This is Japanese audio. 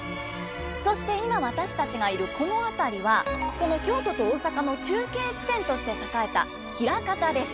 そして今私たちがいるこの辺りはその京都と大阪の中継地点として栄えた枚方です。